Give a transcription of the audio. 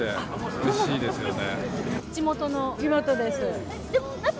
おいしいですよね。